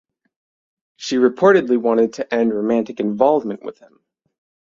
She reportedly wanted to end romantic involvement with him.